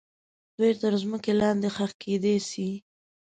دوی تر مځکې لاندې ښخ کیدای سي.